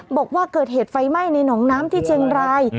บอกว่าเกิดเหตุไฟไหม้ในหนองน้ำที่เชียงราย